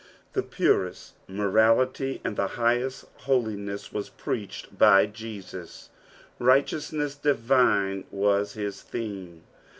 The pureat morality and the highest holiness were preached by Jesus. Highteousneas divine was his theme.